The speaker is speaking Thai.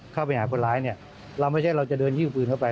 เข้าไปหาคนร้ายเนี่ยเราไม่ใช่เราจะเดินหิ้วปืนเข้าไป